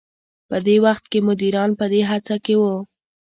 په دې وخت کې مديران په دې هڅه کې وو.